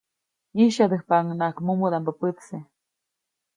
ʼYisyadäjpaʼuŋnaʼak mumudaʼmbä pätse.